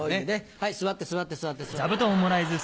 はい座って座って座って座って。